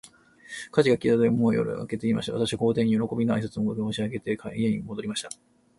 火事が消えたとき、もう夜は明けていました。私は皇帝に、よろこびの挨拶も申し上げないで、家に戻りました。